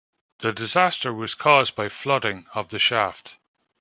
The disaster was caused by flooding of the shaft.